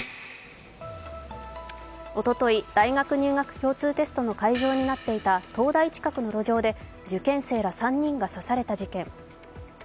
おととい大学入学共通テストの会場になっていた東大近くの路上で受験生ら３人が刺された事件。